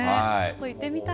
行ってみたい。